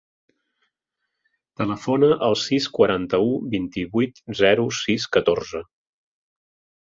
Telefona al sis, quaranta-u, vint-i-vuit, zero, sis, catorze.